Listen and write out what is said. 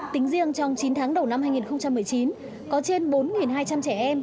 tính riêng trong chín tháng đầu năm hai nghìn một mươi chín có trên bốn hai trăm linh trẻ em